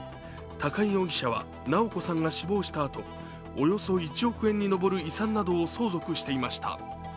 高井容疑者は直子さんが死亡したあと、およそ１億円に上る遺産などを相続していました。